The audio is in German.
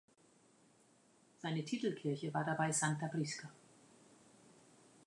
Seine Titelkirche war dabei "Santa Prisca".